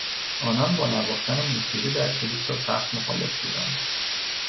آنان با نواختن موسیقی در کلیسا سخت مخالف بودند.